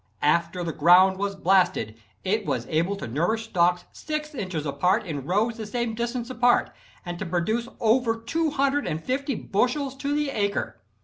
After the ground was blasted, it was able to nourish stalks 6 inches apart in rows the same distance apart, and to produce over 250 bushels to the acre.